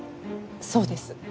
そうです。